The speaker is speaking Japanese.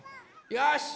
よし！